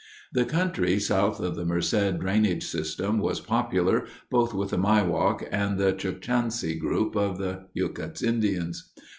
The country south of the Merced drainage system was popular, both with the Miwok and the Chukchansi, a group of the Yokuts Indians.